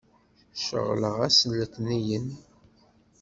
Ceɣleɣ ass n letniyen.